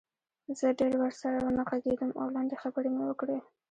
زه ډېر ورسره ونه غږېدم او لنډې خبرې مې وکړې